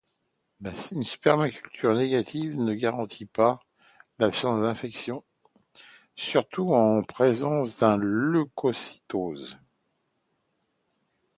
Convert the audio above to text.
Une spermoculture négative ne garantit pas l'absence d'infection surtout en présence d'une leucocytose.